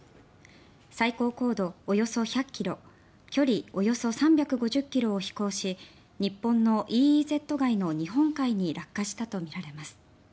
最高高度およそ１００ｋｍ距離およそ３５０ｋｍを飛行し日本のＥＥＺ外の日本海に落下したとみられます。